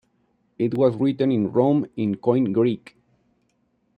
It was written in Rome in Koine Greek.